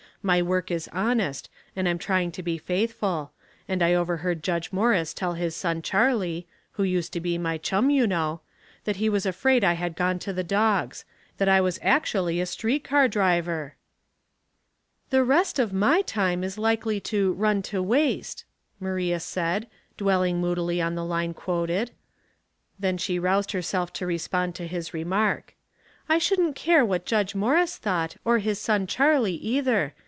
My work is honest, and I'm trying to be faithful ; and I overheard Judge Morris tell his son Charlie — who used to be my chum, you know — that he was afraid I had gone to the dogs ; that I was actually a street car driver I "" The rest of mi/ time is likely to ' run to waste,' " Maria said, dwelling moodily on the line quoted. Then she roused herself to re spond to his remark. " I shouldn't care what Judge Morris thought, or his son Charlie either.